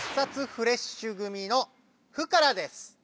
フレッシュ組のフからです。